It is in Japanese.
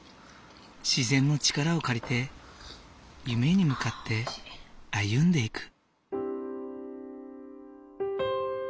自然の力を借りて夢に向かって歩んでいく。